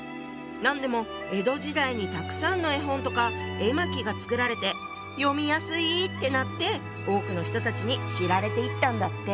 なんでも江戸時代にたくさんの絵本とか絵巻が作られて読みやすい！ってなって多くの人たちに知られていったんだって。